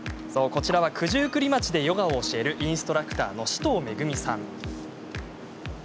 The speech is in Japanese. こちらは九十九里町でヨガを教えるインストラクターの市東恵美さん。